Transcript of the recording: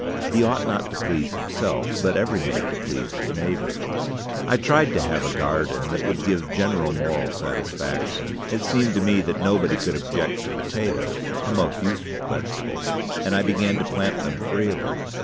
He ought not to please himself, but every man to please his neighbor. I tried to have a garden that would give general moral satisfaction. It seemed to me that nobody could object to potatoes (a most useful vegetable); and I began to plant them freely.